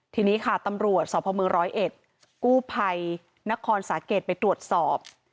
ทีนี้ค่ะตำรวจสพมร้อยเอ็ดกู้ภัยนครสาเกตไปตรวจสอบ